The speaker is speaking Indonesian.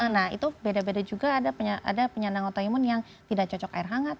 nah itu beda beda juga ada penyandang autoimun yang tidak cocok air hangat